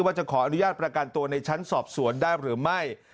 ว่าจะขออนุญาตประกันตัวในชั้นสอบสวนได้หรือไม่